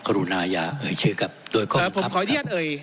ครูนายาเอ๋ยชื่อกับโดยข้อมูลครับเอ่อผมขออนุญาตเอ๋ย